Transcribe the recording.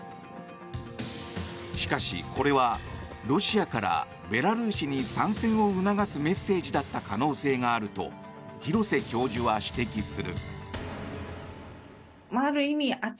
しかし、これはロシアからベラルーシに参戦を促すメッセージだった可能性があると廣瀬教授は指摘する。